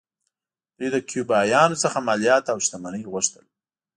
دوی له کیوبایانو څخه مالیات او شتمنۍ غوښتل